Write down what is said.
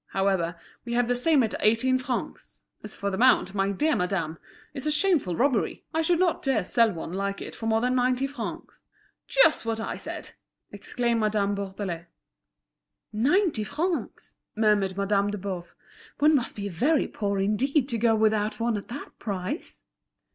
However, we have the same at eighteen francs; as for the mount, my dear madame, it's a shameful robbery. I should not dare to sell one like it for more than ninety francs." "Just what I said!" exclaimed Madame Bourdelais. "Ninety francs!" murmured Madame de Boves; "one must be very poor indeed to go without one at that price."